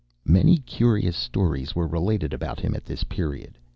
Many curious stories were related about him at this period.